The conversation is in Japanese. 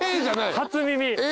初耳。